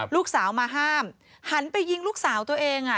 ลูกสาวมาห้ามหันไปยิงลูกสาวตัวเองอ่ะ